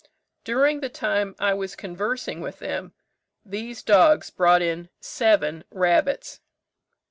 During the time I was conversing with them these dogs brought in seven rabbits."